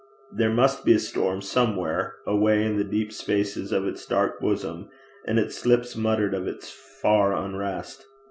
There must be a storm somewhere, away in the deep spaces of its dark bosom, and its lips muttered of its far unrest.